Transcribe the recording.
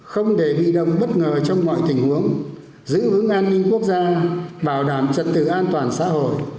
không để bị động bất ngờ trong mọi tình huống giữ vững an ninh quốc gia bảo đảm trật tự an toàn xã hội